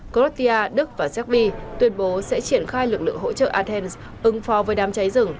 croatia đức và serbia tuyên bố sẽ triển khai lực lượng hỗ trợ athens ứng phó với đám cháy rừng